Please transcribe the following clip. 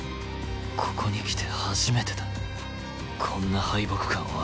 ここに来て初めてだこんな敗北感を味わうのは。